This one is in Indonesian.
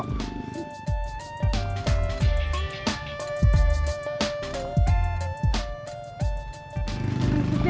jangan lupa untuk berlangganan